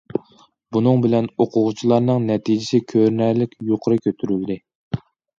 بۇنىڭ بىلەن ئوقۇغۇچىلارنىڭ نەتىجىسى كۆرۈنەرلىك يۇقىرى كۆتۈرۈلدى.